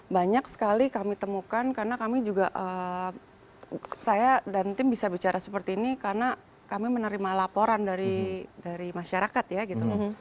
banyak sekali kami temukan karena kami juga saya dan tim bisa bicara seperti ini karena kami menerima laporan dari masyarakat ya gitu loh